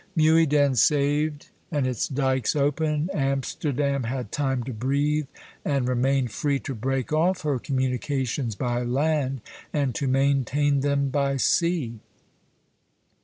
Muyden saved and its dykes open, Amsterdam had time to breathe, and remained free to break off her communications by land and to maintain them by sea."